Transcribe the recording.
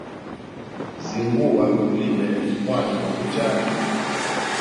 Zinguwa gulime mwna gwa ninjyami.